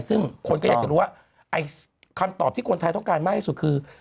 ซึ่งคนก็อยากจะรู้ว่าไอ้คำตอบที่คนไทยต้องการมากที่สุดคือ